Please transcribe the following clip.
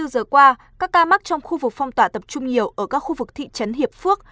hai mươi giờ qua các ca mắc trong khu vực phong tỏa tập trung nhiều ở các khu vực thị trấn hiệp phước